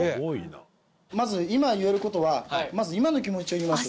まず今言える事はまず今の気持ちを言います。